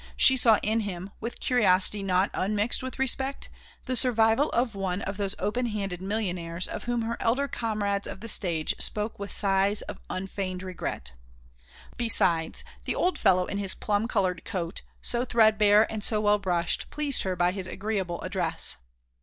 She saw in him, with curiosity not unmixed with respect, the survival of one of those open handed millionaires of whom her elder comrades of the stage spoke with sighs of unfeigned regret. Besides, the old fellow in his plum coloured coat, so threadbare and so well brushed, pleased her by his agreeable address.